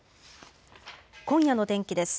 今夜の天気です。